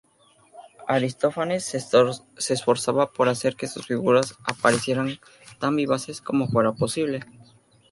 Aristófanes se esforzaba por hacer que sus figuras aparecieran tan vivaces como fuera posible.